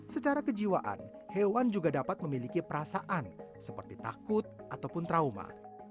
secara kejiwaan hewan juga dapat memiliki perasaan seperti takut ataupun trauma